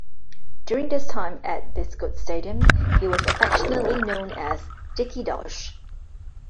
During his time at The Bescot Stadium, he was affectionately known as "Dickie Dosh".